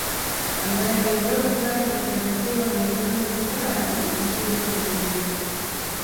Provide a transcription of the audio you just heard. Bandari ya Zanzibar katika visiwa vya Zanzibari nchini Tanzania